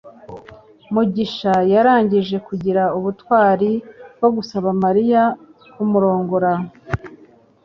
mugisha yarangije kugira ubutwari bwo gusaba mariya kumurongora